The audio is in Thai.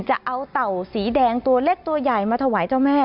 เต่าสีแดงตัวเล็กตัวใหญ่มาถวายเจ้าแม่